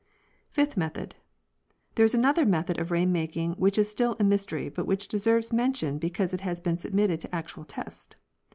Fifth Method.—There is another method of rain making which is still a mystery, but which deserves mention because it has been submitted to actual test.